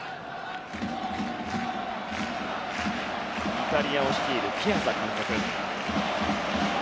イタリアを率いるピアザ監督。